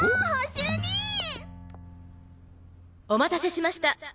主任！お待たせしました。